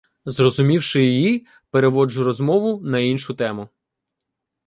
Зрозумівши її, переводжу розмову на іншу тему.